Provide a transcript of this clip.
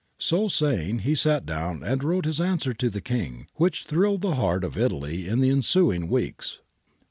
So saying he sat down and wrote his answer to the King, which thrilled the heart of Italy in the ensuing weeks.